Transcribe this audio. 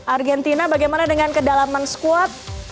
argentina bagaimana dengan kedalaman squad